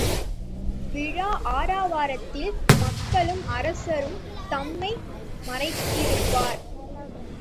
விழா ஆரவாரத்தில் மக்களும் அரசரும் தம்மை மறந்திருப்பர்.